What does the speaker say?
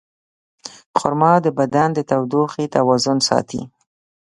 خرما د بدن د تودوخې توازن ساتي.